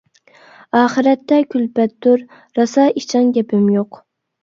ئاخىرەتتە كۈلپەتتۇر، راسا ئىچىڭ گېپىم يوق.